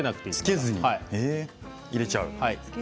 つけずに入れちゃう。